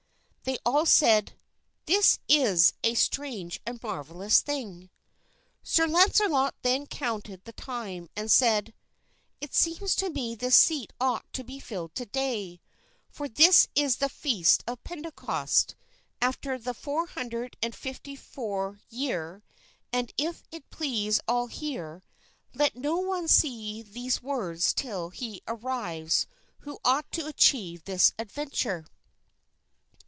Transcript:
They all said, "This is a strange and a marvelous thing." Sir Launcelot then counted the time and said, "It seems to me this seat ought to be filled to day; for this is the feast of Pentecost after the four hundred and fifty fourth year; and, if it please all here, let no one see these words till he arrives who ought to achieve this adventure."